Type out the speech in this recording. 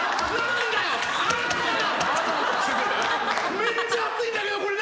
めっちゃ熱いんだけどこれ何？